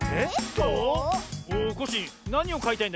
コッシーなにをかいたいんだい？